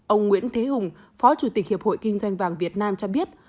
ông nguyễn thế hùng phó chủ tịch hiệp hội kinh doanh vàng việt nam cho biết